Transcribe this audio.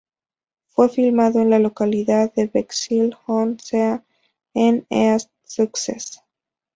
Fue filmado en la localidad de Bexhill-on-Sea, en East Sussex.